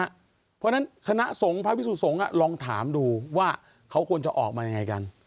เพราะฉะนั้นคณะสงฆ์พระพิสุสงฆ์ลองถามดูว่าเขาควรจะออกมายังไงกัน